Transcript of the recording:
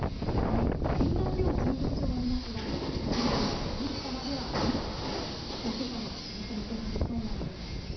沿岸では１０度以上ありますが内陸のさいたまは５度、１桁の冷え込みとなりそうなんです。